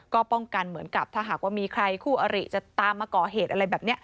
ก็ป้องกันเหมือนกับถ้าหากว่ามีใครคู่อริจะตามมาก่อเหตุอะไรแบบนี้